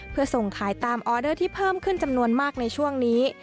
เพื่อส่งขายตามออเดอร์ที่เพิ่มขึ้นจำนวนมากในช่วงนี้